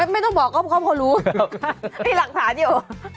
ไม่ต้องบอกเค้าก็เพราะเค้ารู้